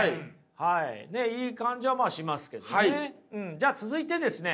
じゃあ続いてですね